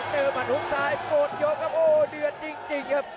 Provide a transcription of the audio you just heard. แต่เซอร์มันหุ้มซ้ายกดยมครับโอ้เดือดจริงครับ